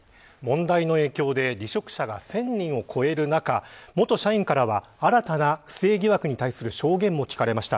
問題の影響で離職者が１０００人を超える中元社員からは新たな不正疑惑に対する証言も聞かれました。